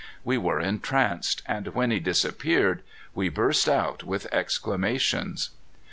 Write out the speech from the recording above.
We were entranced, and when he disappeared, we burst out with exclamations.